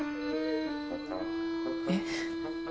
えっ？